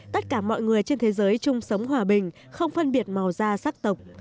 tất cả mọi người trên thế giới chung sống hòa bình không phân biệt màu da sắc tộc